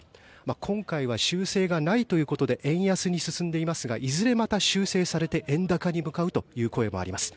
今回は修正がないということで円安に進んでいますがいずれまた修正されて円高に向かうという声もあります。